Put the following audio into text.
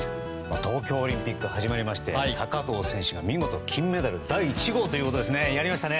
東京オリンピック始まりまして高藤選手が見事、金メダル第１号ということです、やりましたね。